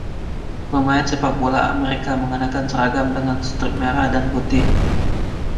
Pemain sepak bola Amerika mengenakan seragam dengan setrip merah dan putih.